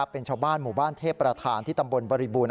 เป็นชาวบ้านหมู่บ้านเทพประธานที่ตำบลบริบูรณ